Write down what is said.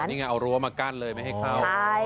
นี่ไงเอารั้วมากั้นเลยไม่ให้เข้า